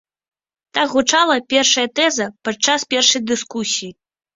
Так гучала першая тэза падчас першай дыскусіі.